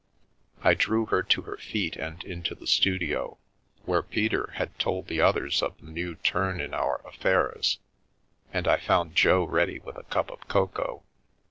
I drew her to her feet and into the studio, where Peter had told the others of the new turn in our affairs, and I found Jo ready with a cup of cocoa.